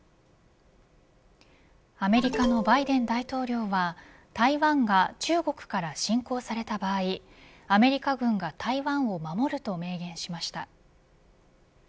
アメリカのバイデン大統領は台湾が中国から侵攻された場合アメリカ軍が台湾を守ると明言しました。